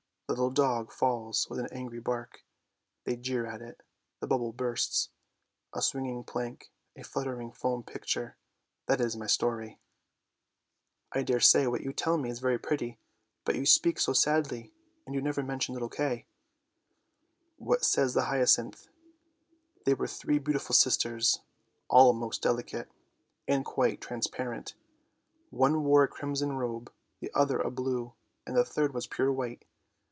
The little dog falls with an angry bark, they jeer at it; the bubble bursts. A swinging plank, a fluttering foam picture — that is my story! "" I daresay what you tell me is very pretty, but you speak so sadly, and you never mention little Kay." THE SNOW QUEEN 197 What says the hyacinth? " They were three beautiful sisters, all most delicate, and quite transparent. One wore a crimson robe, the other a blue, and the third was pure white.